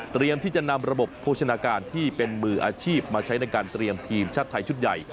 ที่จะนำระบบโภชนาการที่เป็นมืออาชีพมาใช้ในการเตรียมทีมชาติไทยชุดใหญ่